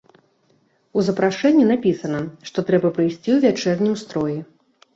У запрашэнні напісана, што трэба прыйсці ў вячэрнім строі.